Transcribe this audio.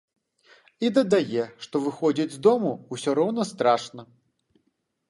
І дадае, што выходзіць з дому ўсё роўна страшна.